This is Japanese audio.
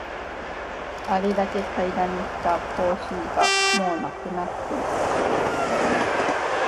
あれだけ買いだめしたコーヒーがもうなくなってる